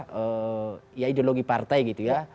ya ideologi partai gitu ya